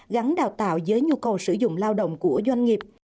gắn đào tạo với nhu cầu sử dụng lao động của doanh nghiệp